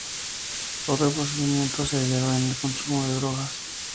Otro procedimiento se hallaba en el consumo de drogas.